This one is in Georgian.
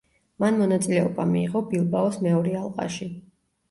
მან მონაწილეობა მიიღო ბილბაოს მეორე ალყაში.